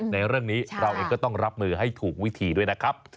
ในเรื่องนี้เราเองก็ต้องรับมือให้ถูกวิธีด้วยนะครับ